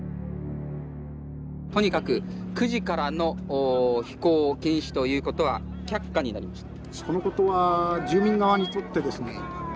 とにかく９時からの飛行禁止ということは却下になりました。